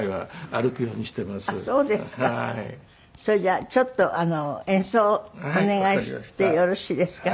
それじゃあちょっと演奏をお願いしてよろしいですか？